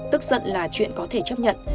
tức giận là chuyện có thể chấp nhận